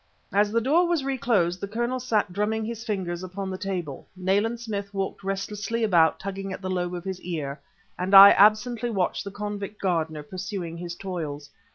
As the door was reclosed, the Colonel sat drumming his fingers upon the table, Nayland Smith walked restlessly about tugging at the lobe of his ear, and I absently watched the convict gardener pursuing his toils.